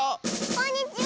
「こんにちは！」